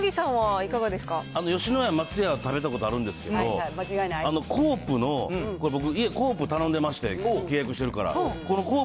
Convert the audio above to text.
吉野家、松屋は食べたことあるんですけど、コープの、僕、家、コープ頼んでまして、契約してるから。